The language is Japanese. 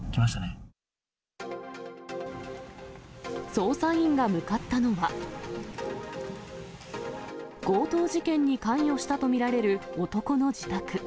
捜査員が向かったのは、強盗事件に関与したと見られる男の自宅。